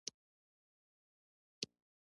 نو پښتانه دې هم بیا دا زغم ولري